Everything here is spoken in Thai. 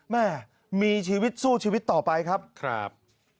แม่มีชีวิตสู้ชีวิตต่อไปครับครับ